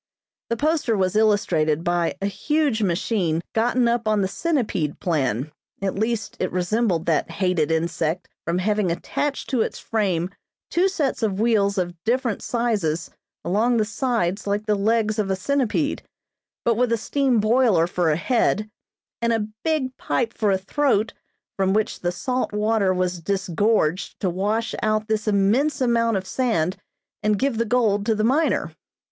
The poster was illustrated by a huge machine gotten up on the centipede plan; at least, it resembled that hated insect from having attached to its frame two sets of wheels of different sizes along the sides like the legs of a centipede, but with a steam boiler for a head, and a big pipe for a throat from which the salt water was disgorged to wash out this immense amount of sand and give the gold to the miner.